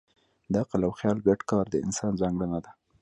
د عقل او خیال ګډ کار د انسان ځانګړنه ده.